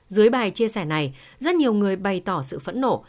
dưới bài chia sẻ này rất nhiều người bày tỏ sự phẫn nộ